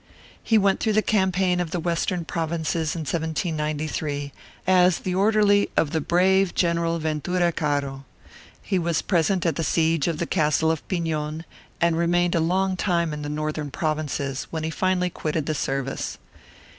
He went through the campaign of the Western Provinces in 1793, as the orderly of the brave General Ventura Caro; he was present at the siege of the Castle of Piñon, and remained a long time in the Northern Provinces, when he finally quitted the service.